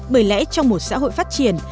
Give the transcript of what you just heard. bởi lẽ trong một xã hội phát triển